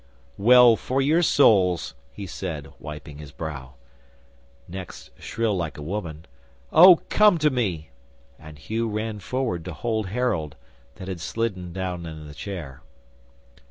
'"Well for your souls," he said, wiping his brow. Next, shrill like a woman: "Oh, come to me!" and Hugh ran forward to hold Harold, that had slidden down in the chair.